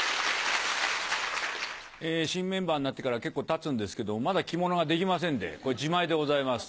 新メンバーになってから結構たつんですけどもまだ着物ができませんでこれ自前でございます。